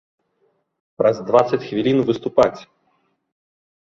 Праз дваццаць хвілін выступаць!